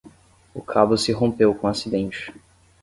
O cabo se rompeu com o acidente